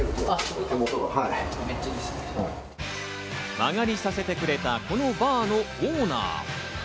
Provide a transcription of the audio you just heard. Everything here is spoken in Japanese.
間借りさせてくれた、このバーのオーナー。